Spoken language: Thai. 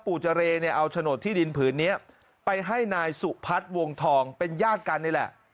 เจรเนี่ยเอาโฉนดที่ดินผืนนี้ไปให้นายสุพัฒน์วงทองเป็นญาติกันนี่แหละ